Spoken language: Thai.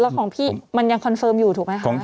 แล้วของพี่มันยังคอนเฟิร์มอยู่ถูกไหมคะ